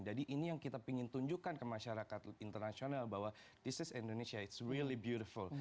jadi ini yang kita ingin tunjukkan ke masyarakat internasional bahwa this is indonesia it's really beautiful